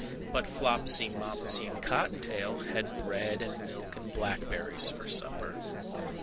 But Flopsy, Mopsy, and Cotton tail had bread and milk and blackberries for supper.